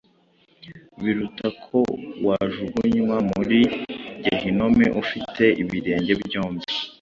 biruta ko wajugunywa muri gehinomu ufite ibirenge byombi.”